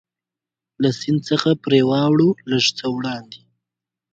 چې له سیند څخه پرې واوړو، لږ څه وړاندې.